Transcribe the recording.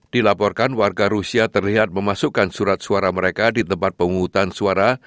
dilaporkan warga rusia terlihat memasukkan surat suara mereka di tempat penghutang suara